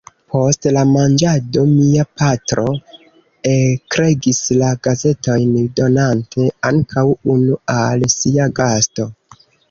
Post la manĝado mia patro eklegis la gazetojn, donante ankaŭ unu al sia gasto.